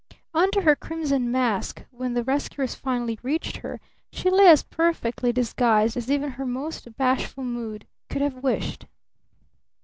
Under her crimson mask, when the rescuers finally reached her, she lay as perfectly disguised as even her most bashful mood could have wished.